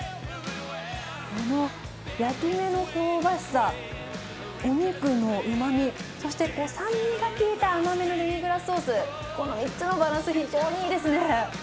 この焼き目の香ばしさ、お肉のうまみ、そして酸味が効いた甘めのデミグラスソース、この３つのバランス、非常にいいですね。